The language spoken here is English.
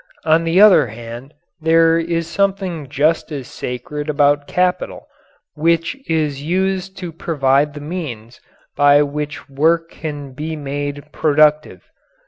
On the other hand, there is something just as sacred about capital which is used to provide the means by which work can be made productive.